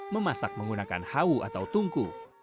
memasak menggunakan hawu atau tungku